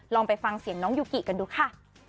ลองไปฟังเสียงน้องยูกิกันดูค่ะ